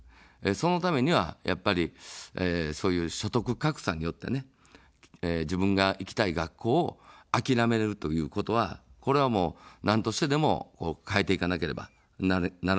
そのためには、やっぱりそういう所得格差によって自分が行きたい学校を諦めるということは、これはもうなんとしてでも、変えていかなければならない話です。